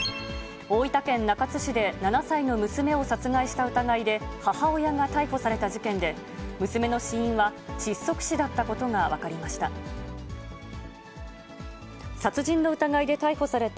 大分県中津市で、７歳の娘を殺害した疑いで、母親が逮捕された事件で、娘の死因は窒息死だったことが分かりました。